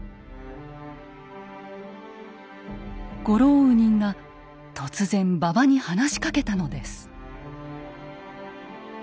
ゴローウニンが突然馬場に話しかけたのです。